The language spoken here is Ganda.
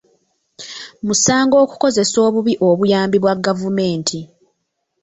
Musango okukozesa obubi obuyambi bwa gavumenti.